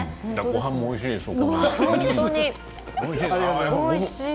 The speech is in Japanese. ごはんも、おいしいです。